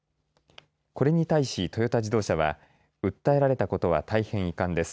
これに対し、トヨタ自動車は訴えられたことは大変遺憾です。